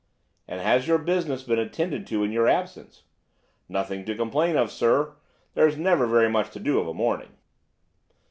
"And has your business been attended to in your absence?" "Nothing to complain of, sir. There's never very much to do of a morning."